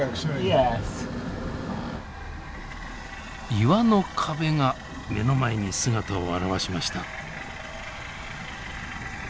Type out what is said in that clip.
岩の壁が目の前に姿を現しました。